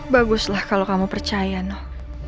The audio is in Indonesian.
baguslah kalau kamu percaya noh